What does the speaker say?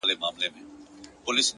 د حقیقت لاره که سخته وي ارزښت لري.!